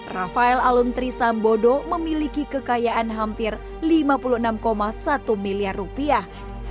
rafael aluntri sambodo memiliki kekayaan hampir lima puluh enam satu miliar rupiah